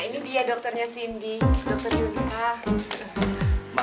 nah ini dia dokternya cindy dokter junkah